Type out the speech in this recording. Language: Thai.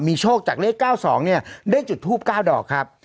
มีโชคจากเลขเก้าสองเนี่ยได้จุดทูปกล้าดอกครับ